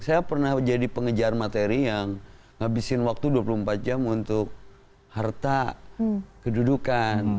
saya pernah jadi pengejar materi yang ngabisin waktu dua puluh empat jam untuk harta kedudukan